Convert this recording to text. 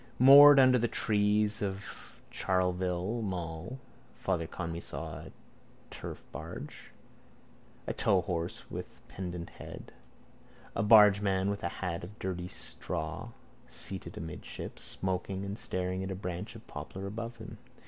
Moored under the trees of Charleville Mall Father Conmee saw a turfbarge, a towhorse with pendent head, a bargeman with a hat of dirty straw seated amidships, smoking and staring at a branch of poplar above him.